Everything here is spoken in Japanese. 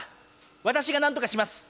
わたしがなんとかします！